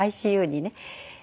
ＩＣＵにね